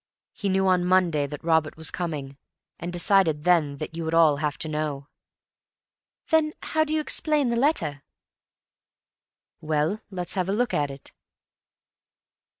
He knew on Monday that Robert was coming, and decided then that you would all have to know." "Then how do you explain the letter?" "Well, let's have a look at it."